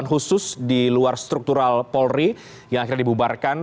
khusus di luar struktural polri yang akhirnya dibubarkan